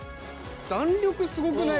弾力すごくない？